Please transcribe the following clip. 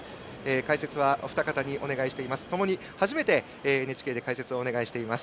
解説はお二方にお願いしています。